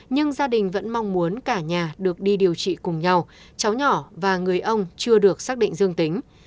nhưng gia đình vẫn mong muốn cả nhà được đi điều trị cùng nhau cháu nhỏ và người ông chưa được xác định dương tính